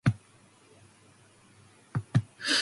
Non-flowering lichens cling to rocks and soil.